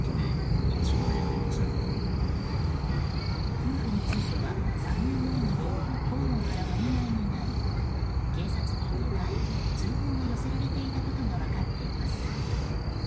夫婦については３年前にも、口論からもみ合いになり警察に２回通報が寄せられていたことが分かっています。